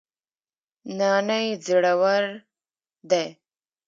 نانی زړور دی